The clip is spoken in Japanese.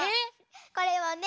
これはね